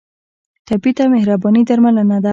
ټپي ته مهرباني درملنه ده.